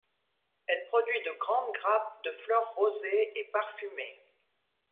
Elle produit de grandes grappes de fleurs rosées et parfumées.